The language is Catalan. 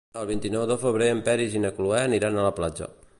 El vint-i-nou de febrer en Peris i na Cloè aniran a la platja.